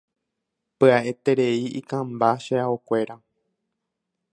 Pya'eterei ikãmba che aokuéra.